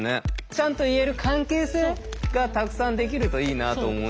ちゃんと言える関係性がたくさんできるといいなと思うし。